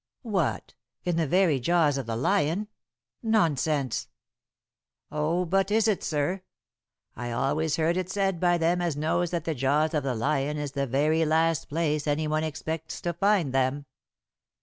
"What, in the very jaws of the lion? Nonsense!" "Oh, but is it, sir? I always heard it said by them as knows that the jaws of the lion is the very last place any one expects to find them."